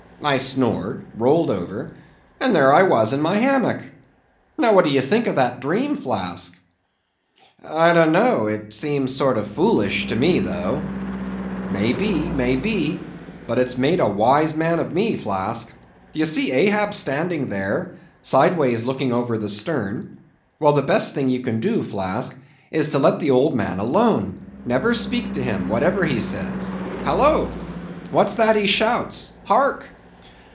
I snored; rolled over; and there I was in my hammock! Now, what do you think of that dream, Flask?" "I don't know; it seems a sort of foolish to me, tho.'" "May be; may be. But it's made a wise man of me, Flask. D'ye see Ahab standing there, sideways looking over the stern? Well, the best thing you can do, Flask, is to let the old man alone; never speak to him, whatever he says. Halloa! What's that he shouts? Hark!"